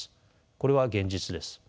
これは現実です。